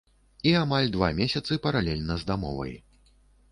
І амаль два месяцы паралельна з дамовай.